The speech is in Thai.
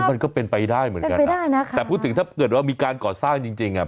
มันก็เป็นไปได้เหมือนกันไม่ได้นะคะแต่พูดถึงถ้าเกิดว่ามีการก่อสร้างจริงจริงอ่ะ